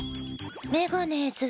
メガネーズ。